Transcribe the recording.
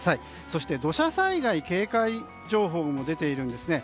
そして、土砂災害警戒情報も出ているんですね。